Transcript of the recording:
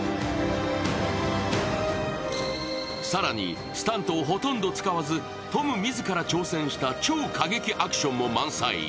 更にスタントをほとんど使わず、トム自ら挑戦した超過激アクションも満載。